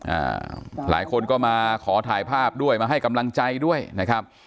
อ่าหลายคนก็มาขอถ่ายภาพด้วยมาให้กำลังใจด้วยนะครับ